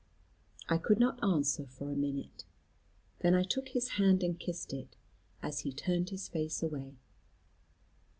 I could not answer, for a minute. Then I took his hand and kissed it, as he turned his face away.